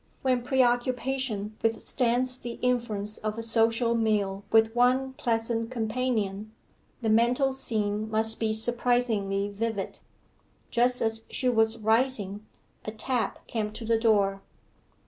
When preoccupation withstands the influence of a social meal with one pleasant companion, the mental scene must be surpassingly vivid. Just as she was rising a tap came to the door.